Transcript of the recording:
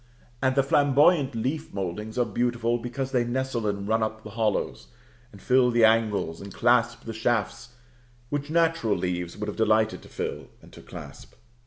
And the flamboyant leaf mouldings are beautiful, because they nestle and run up the hollows, and fill the angles, and clasp the shafts which natural leaves would have delighted to fill and to clasp.